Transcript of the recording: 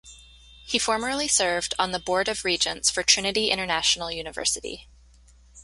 He formerly served on the board of Regents for Trinity International University.